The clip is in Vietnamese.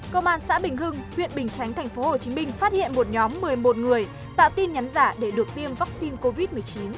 công an xã bình hưng huyện bình chánh tp hcm phát hiện một nhóm một mươi một người tạo tin nhắn giả để được tiêm vaccine covid một mươi chín